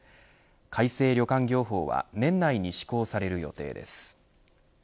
改正旅館業法は年内に施行される予定です。